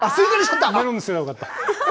メロンにすればよかった。